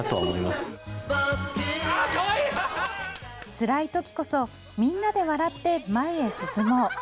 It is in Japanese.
つらいときこそ、みんなで笑って前へ進もう。